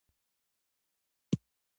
زه له كومه راوړم صبوري او تحمل